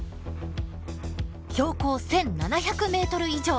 標高１，７００ｍ以上！